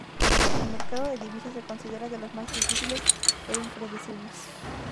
El mercado de divisas se considera de los más difíciles e impredecibles.